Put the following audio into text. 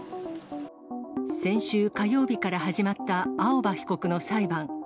先週火曜日から始まった青葉被告の裁判。